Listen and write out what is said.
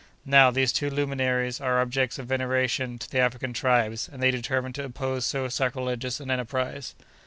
Now, these two luminaries are objects of veneration to the African tribes, and they determined to oppose so sacrilegious an enterprise.